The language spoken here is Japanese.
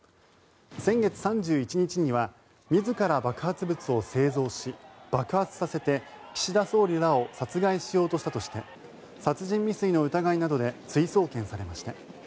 先月３１日には自ら爆発物を製造し爆発させて岸田総理らを殺害しようとしたとして殺人未遂の疑いなどで追送検されました。